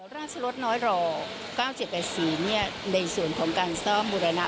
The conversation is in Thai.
อ๋อราชรสน้อยรอเก้าเจ็ดแปดสี่เนี่ยในส่วนของการซ่อมบุรณะ